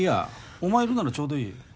お前いるならちょうどいい。